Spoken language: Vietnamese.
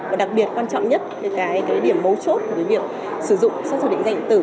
và đặc biệt quan trọng nhất cái điểm mấu chốt với việc sử dụng xác thực định danh tử